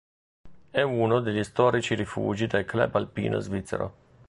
È uno degli storici rifugi del Club Alpino Svizzero.